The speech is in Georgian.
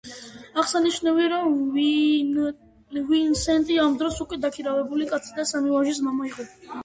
აღსანიშნავია, რომ ვინსენტი ამ დროს უკვე დაქვრივებული კაცი და სამი ვაჟის მამა იყო.